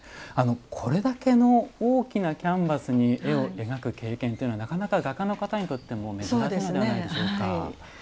これだけの大きなキャンバスに絵を描く経験というのはなかなか画家の方にとっても珍しいのではないでしょうか。